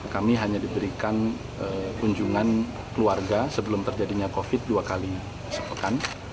kami hanya diberikan kunjungan keluarga sebelum terjadinya covid dua kali sepekan